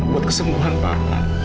buat kesembuhan papa